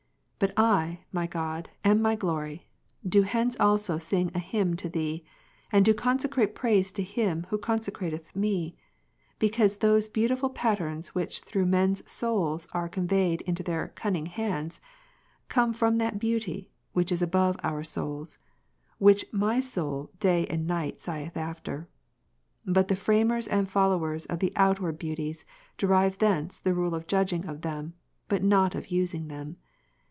But I, my God and my Glory, do hence also sing a hymn to Thee, and do consecrate praise to Him who consecrateth me^, because those beautiful patterns which through men's souls are con veyed into their cunning hands s, come from that Beauty, Which is above our souls, Which my soul day and night sigheth after. But the framers and followers of the outward beauties, derive thence the rule of judging of them, but not of using'' them.